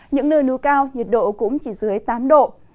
những nơi núi cao nhiệt độ cũng chỉ dưới tám độ